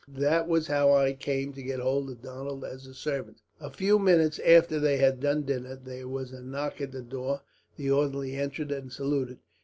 That was how I came to get hold of Donald as a servant." A few minutes after they had done dinner, there was a knock at the door. The orderly entered and saluted.